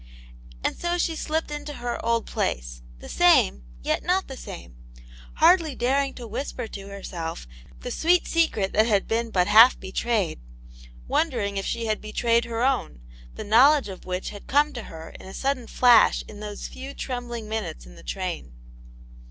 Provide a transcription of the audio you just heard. And so she slipped into her old place, the same, yet not the same, hardly daring to whisper to herself the sweet secret that had been but half betrayed ; wonder ing if she had betrayed her own, the knowledge of which had come to her in a sudden flash in those few trembling minutes in the train.